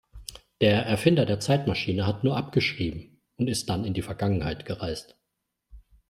Der Erfinder der Zeitmaschine hat nur abgeschrieben und ist dann in die Vergangenheit gereist.